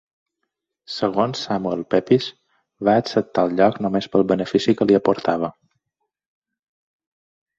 Segons Samuel Pepys, va acceptar el lloc només pel benefici que li aportava.